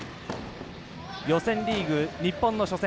予選リーグ、日本の初戦。